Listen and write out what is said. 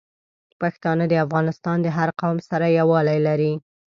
پښتانه د افغانستان د هر قوم سره یوالی لري.